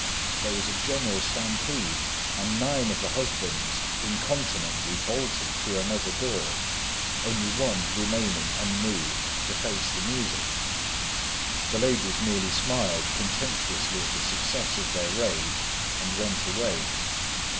There was a general stampede, and nine of the husbands incontinently bolted through another door, only one remaining unmoved to face the music. The ladies merely smiled contemptuously at the success of their raid, and went away.